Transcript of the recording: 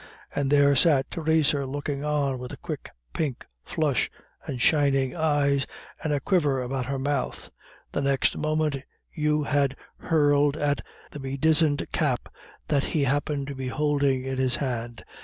And there sat Theresa looking on, with a quick pink flush, and shining eyes, and a quiver about her mouth. The next moment Hugh had hurled at the bedizened cap what he happened to be holding in his hand.